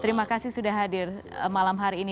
terima kasih sudah hadir malam hari ini